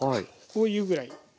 こういうぐらい。